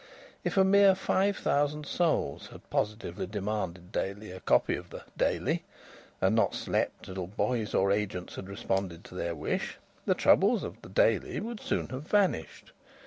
If a mere five thousand souls had positively demanded daily a copy of the Daily and not slept till boys or agents had responded to their wish, the troubles of the Daily would soon have vanished.